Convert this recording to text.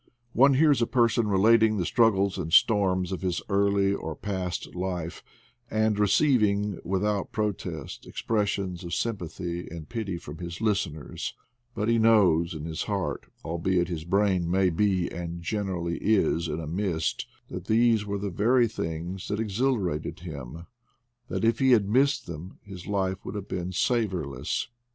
One hears a person relating the struggles and storms of his early or past life, and receiving without protest expressions of sym pathy and pity from his listeners; but he knows THE WAR WITH NATURE 79 in his heart, albeit his brain may be and generally is in a mist, that these were the very things that exhilarated him, that if he had missed them his life would have been savorless.